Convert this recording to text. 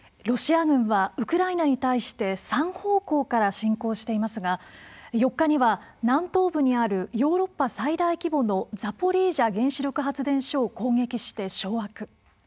ロシア軍はウクライナに対して３方向から侵攻していますが４日には、南東部にあるヨーロッパ最大規模のザポリージャ原子力発電所を攻撃して掌握。